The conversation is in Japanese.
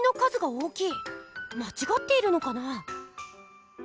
まちがっているのかな？